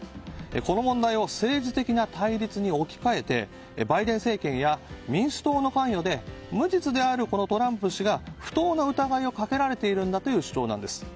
この問題を政治的な対立に置き換えてバイデン政権や民主党の関与で無実であるトランプ氏が不当な疑いをかけられているという主張なんです。